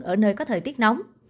ở nơi có thời tiết nóng